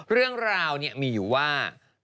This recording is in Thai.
เรื่องราวมีอยู่ว่า